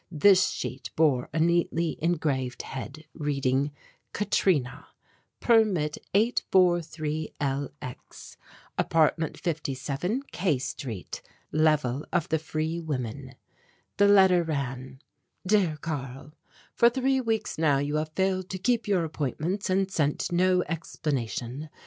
This sheet bore a neatly engraved head reading "Katrina, Permit 843 LX, Apartment 57, K Street, Level of the Free Women." The letter ran: "Dear Karl: For three weeks now you have failed to keep your appointments and sent no explanation.